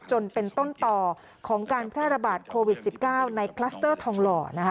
จนเป็นต้นต่อของการแพร่ระบาดโควิด๑๙ในคลัสเตอร์ทองหล่อนะคะ